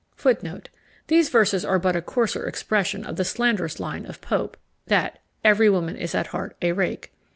" These verses are but a coarser expression of the slanderous line of Pope, that "every woman is at heart a rake."